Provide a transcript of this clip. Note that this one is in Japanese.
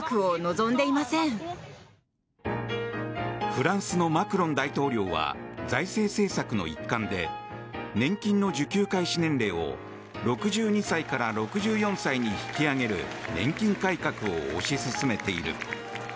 フランスのマクロン大統領は財政政策の一環で年金の受給開始年齢を６２歳から６４歳に引き上げる年金改革を推し進めている。